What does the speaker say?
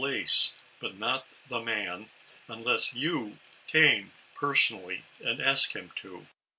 lace, but not the man, unless you came personally and asked him to."